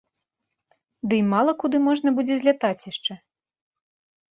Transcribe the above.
Дый мала куды можна будзе злятаць яшчэ?